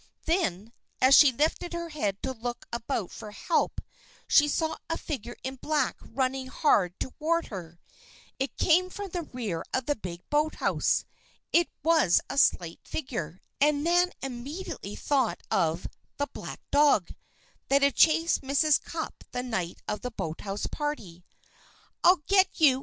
Then, as she lifted her head to look about for help, she saw a figure in black running hard toward her. It came from the rear of the big boathouse. It was a slight figure, and Nan immediately thought of "the black dog" that had chased Mrs. Cupp the night of the boathouse party. "I'll get you!